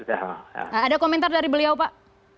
ada komentar dari beliau pak